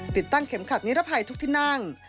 ติดตั้งเข็มขัดนิรภัยทุกที่นั่ง